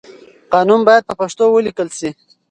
قانون بايد په پښتو وليکل شي.